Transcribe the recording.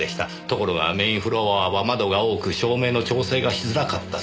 ところがメーンフロアは窓が多く照明の調整がしづらかった。